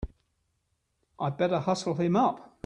I'd better hustle him up!